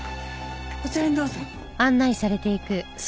こちらにどうぞ。